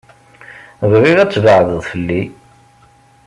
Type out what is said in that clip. Bɣiɣ ad tbeɛded fell-i.